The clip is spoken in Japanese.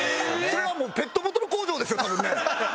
それはもうペットボトル工場ですよ多分ね。